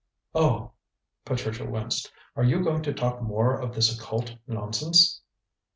"Oh!" Patricia winced; "are you going to talk more of this occult nonsense?"